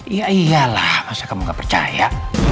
iya iyalah masa kamu gak percaya